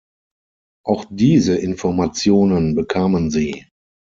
Auch diese Informationen bekamen sie.